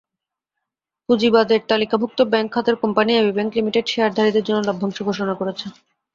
পুঁজিবাজারে তালিকাভুক্ত ব্যাংক খাতের কোম্পানি এবি ব্যাংক লিমিটেড শেয়ারধারীদের জন্য লভ্যাংশ ঘোষণা করেছে।